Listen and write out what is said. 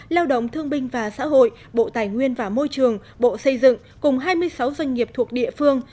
lao động thương binh và xã hội bộ tài nguyên và môi trường bộ xây dựng cùng hai mươi sáu doanh nghiệp thuộc địa phương